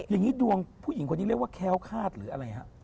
อย่างนี้ดวงผู้หญิงคนนี้เรียกว่าแค้วคาดหรืออะไรฮะ